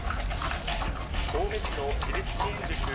青梅市の自立支援塾